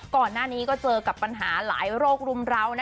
ก่อนหน้านี้ก็เจอกับปัญหาหลายโรครุมราว